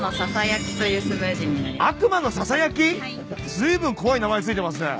ずいぶん怖い名前付いてますね。